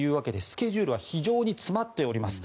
スケジュールは非常に詰まっております。